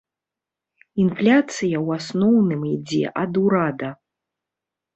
Інфляцыя ў асноўным ідзе ад урада.